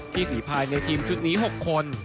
ฝีภายในทีมชุดนี้๖คน